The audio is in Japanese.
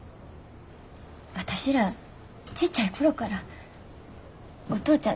私らちっちゃい頃からお父ちゃん